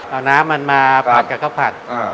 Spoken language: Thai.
เอาน้ำมันมาผัดกับข้าวผัด